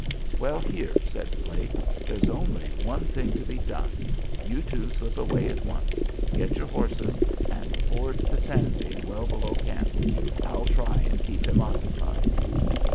"Well, here," said Blake, "there's only one thing to be done. You two slip away at once; get your horses, and ford the Sandy well below camp. I'll try and keep him occupied."